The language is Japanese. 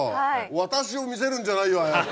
私を見せるんじゃないよああやって。